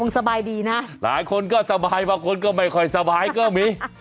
สบายก็มี